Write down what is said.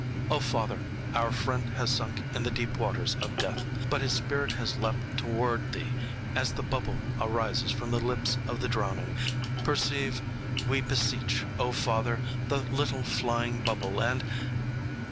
"Oh, Father, our friend has sunk in the deep waters of death, but his spirit has leaped toward Thee as the bubble arises from the lips of the drowning. Perceive, we beseech, O Father, the little flying bubble, and